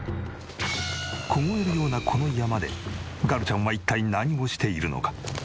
凍えるようなこの山でガルちゃんは一体何をしているのか？